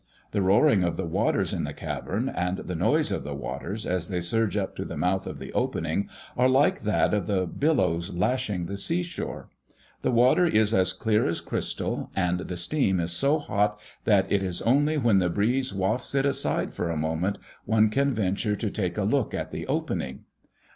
The roaring of the waters in the cavern, and the noise of the waters as they surge up to the mouth of the opening, are like that of the billows lashing the sea shore. The water is as clear as crystal, and the steam is so hot that it is only when the breeze wafts it aside for a moment one can venture to take a look at the opening."